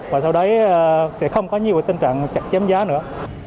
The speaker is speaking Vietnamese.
và sau đấy sẽ không có nhiều tình trạng chặt chém giá nữa